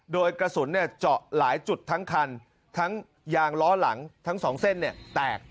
โดยกระสุนเจาะหลายจุดทั้งคันทั้งยางล้อหลังทั้งสองเส้นเนี่ยแตก